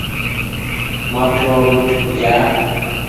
مآٿو مت کوجآ۔